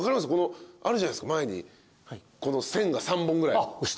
あるじゃないですか前にこの線が３本ぐらい。